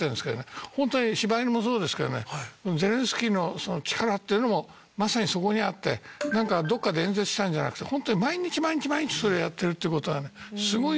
ホントに柴犬もそうですけどねゼレンスキーの力っていうのもまさにそこにあって何かどっかで演説したんじゃなくてホントに毎日毎日毎日それやってるっていうことはねすごいんですよ